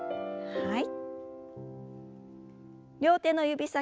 はい。